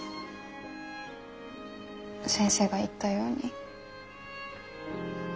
先生が言ったように。